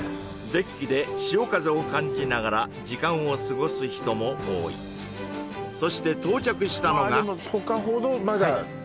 デッキで潮風を感じながら時間を過ごす人も多いそして到着したのがそうです